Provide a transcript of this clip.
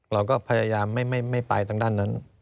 เราก็พยายามไม่ไปทางด้านนั้น